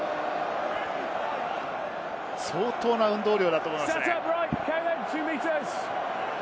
相当な運動量だと思います。